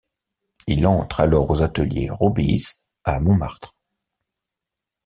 Il entre alors aux atelier Robys, à Montmartre.